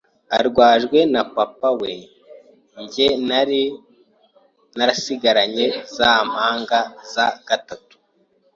arwajwe na papa we njye nari narasigaranye za mpanga za gatatu